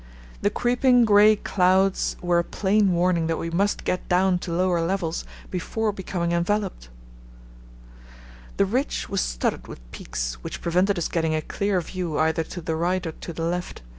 The creeping grey clouds were a plain warning that we must get down to lower levels before becoming enveloped. The ridge was studded with peaks, which prevented us getting a clear view either to the right or to the left.